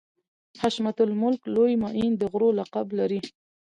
حشمت الملک لوی معین د غرو لقب لري.